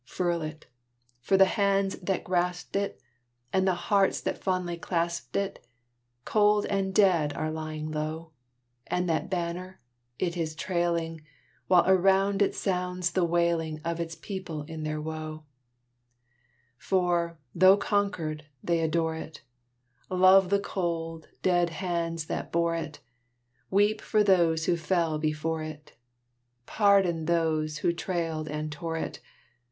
Furl it! for the hands that grasped it, And the hearts that fondly clasped it, Cold and dead are lying low; And that Banner it is trailing, While around it sounds the wailing Of its people in their woe; For, though conquered, they adore it Love the cold, dead hands that bore it! Weep for those who fell before it! Pardon those who trailed and tore it!